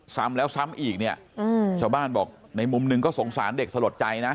ซ้ำแล้วซ้ำอีกเนี่ยชาวบ้านบอกในมุมหนึ่งก็สงสารเด็กสลดใจนะ